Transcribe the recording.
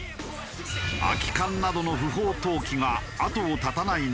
空き缶などの不法投棄が後を絶たないのだという。